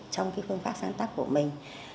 trong phương pháp sáng tác của mình